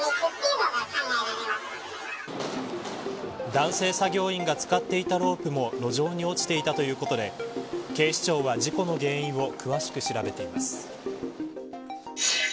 男性作業員が使っていたロープも路上に落ちていたということで警視庁は事故の原因を詳しく調べています。